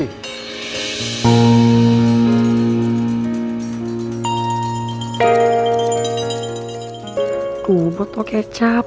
bu botol kecap